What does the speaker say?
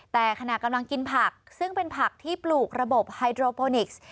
แต่ขณะกำลังกินผักซึ่งเป็นผักที่ปลูกระบบไฮโดรโปนิกส์